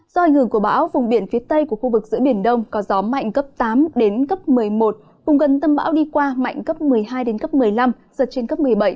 do ảnh hưởng của bão vùng biển phía tây của khu vực giữa biển đông có gió mạnh cấp tám một mươi một vùng gần tâm bão đi qua mạnh cấp một mươi hai một mươi năm sợi trên cấp một mươi bảy